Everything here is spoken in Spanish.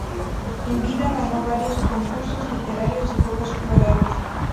En vida ganó varios concursos literarios y Juegos Florales.